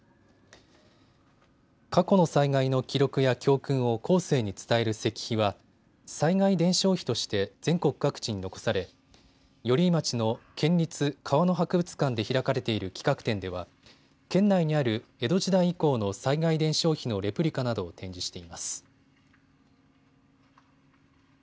過去の災害の記録や教訓を後世に伝える石碑は災害伝承碑として全国各地に残され、寄居町の県立川の博物館で開かれている企画展では県内にある江戸時代以降の災害伝承碑のレプリカなどを展示しています。